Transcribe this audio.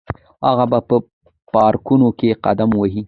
هغه به په پارکونو کې قدم وهي.